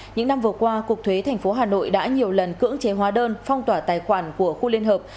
những năm vừa qua cục thuế tp hà nội đã nhiều lần cưỡng chế hóa đơn phong tỏa tài khoản của khu liên hợp